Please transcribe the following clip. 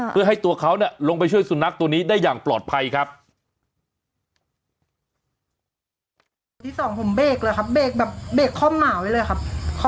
เพื่อให้ตัวเขาลงไปช่วยสุนัขตัวนี้ได้อย่างปลอดภัยครับ